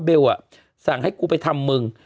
สั่งให้กูไปทำมึง